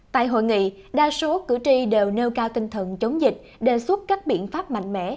tại hội nghị đa số cử tri đều nêu cao tinh thần chống dịch đề xuất các biện pháp mạnh mẽ